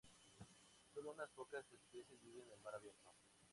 Sólo unas pocas especies viven en mar abierto.